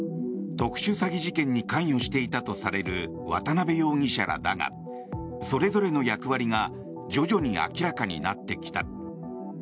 特殊詐欺事件に関与していたとされる渡邉容疑者らだがそれぞれの役割が徐々に明らかになってきた。